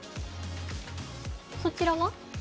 そちらは？